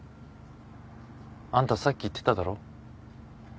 あんたさっき言ってただろ？